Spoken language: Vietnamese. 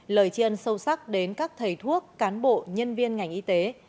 lời tri ân sâu sắc đến các thầy thuốc cán bộ nhân viên ngành y tế